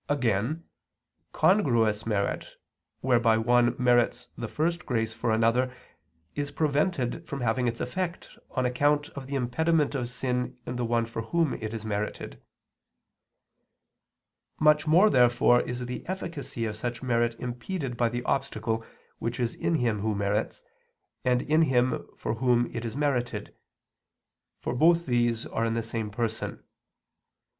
Again, congruous merit, whereby one merits the first grace for another, is prevented from having its effect on account of the impediment of sin in the one for whom it is merited. Much more, therefore, is the efficacy of such merit impeded by the obstacle which is in him who merits, and in him for whom it is merited; for both these are in the same person.